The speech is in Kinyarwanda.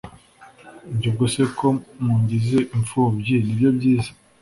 Njye ubwo se ko mungize imfubyi nibyo byiza